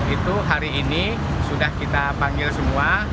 itu hari ini sudah kita panggil semua